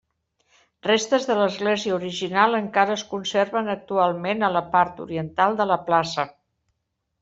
Restes de l'església original encara es conserven actualment a la part oriental de la plaça.